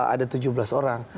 ada tujuh belas orang